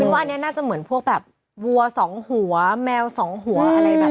ว่าอันนี้น่าจะเหมือนพวกแบบวัวสองหัวแมวสองหัวอะไรแบบ